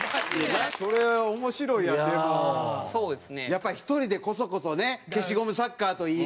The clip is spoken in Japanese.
やっぱり１人でこそこそね消しゴムサッカーといいね。